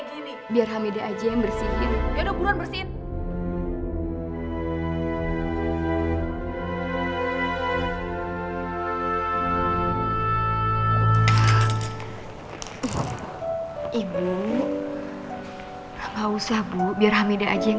gini biar hamid aja yang bersihin ya udah bulan bersihin ibu mau sabuk biar hamid aja yang